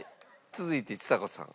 続いてちさ子さん